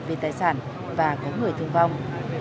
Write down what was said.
về tài sản và có người thương vong